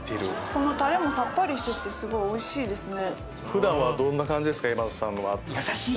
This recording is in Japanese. このタレもさっぱりしててすごいおいしいですね。